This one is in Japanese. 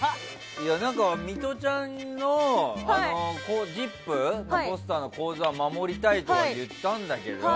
いや、ミトちゃんの「ＺＩＰ！」のポスターの構図は守りたいとは言ったんだけど。